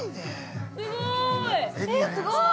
◆すごーい。